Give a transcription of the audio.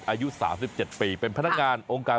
อายุ๓๗ปีเป็นพนักงาน